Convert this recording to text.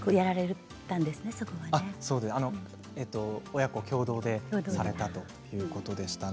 親子共同でされたということでした。